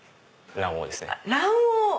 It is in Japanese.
卵黄！